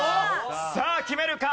さあ決めるか？